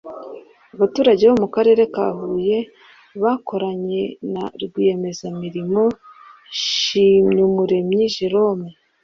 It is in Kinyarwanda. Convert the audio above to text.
Abaturage bo mu Karere ka Huye bakoranye na Rwiyemezamirimo Nshimyumuremyi Jerome